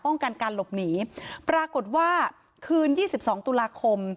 กันการหลบหนีปรากฏว่าคืนยี่สิบสองตุลาคม